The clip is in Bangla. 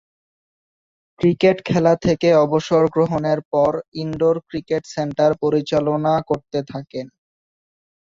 ক্রিকেট খেলা থেকে অবসর গ্রহণের পর ইনডোর ক্রিকেট সেন্টার পরিচালনা করতে থাকেন।